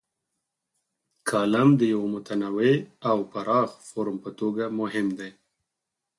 کالم د یوه متنوع او پراخ فورم په توګه مهم دی.